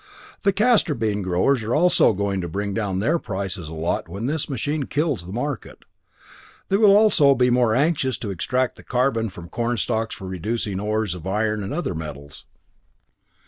The castor bean growers are also going to bring down their prices a lot when this machine kills the market. They will also be more anxious to extract the carbon from the cornstalks for reducing ores of iron and of other metals."